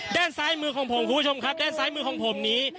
ด้านซ้ายมือของผมคุณผู้ชมครับด้านซ้ายมือของผมนี้